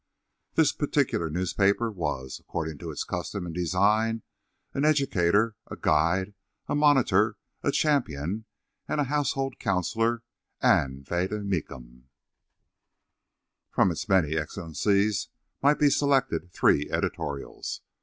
This particular newspaper was, according to its custom and design, an educator, a guide, a monitor, a champion and a household counsellor and vade mecum. From its many excellencies might be selected three editorials.